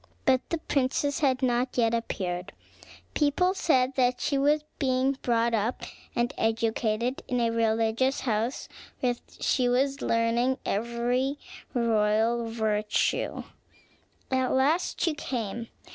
But the princess had not yet appeared. People said that she was being brought up and educated in a religious house, where she was learning every royal virtue. At last she came.